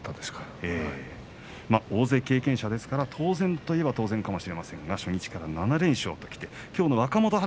大関経験者ですから当然と言えば当然かもしれませんが、初日から７連勝ときていてきょうの若元